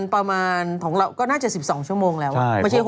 ประมาณของเราก็น่าจะ๑๒๐๐นแล้วไม่ใช่๖๐๐น